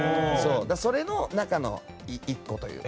それの中の１個というか。